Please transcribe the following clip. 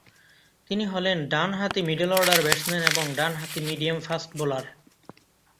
তিনি হলেন ডানহাতি মিডল অর্ডার ব্যাটসম্যান এবং ডানহাতি মিডিয়াম ফাস্ট বোলার।